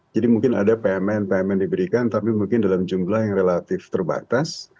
jadi mungkin ada payment payment diberikan tapi mungkin dalam jumlah yang relatif terbatas